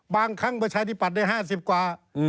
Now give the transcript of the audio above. บางครั้งประชาธิบัตย์ได้๕๐กว่า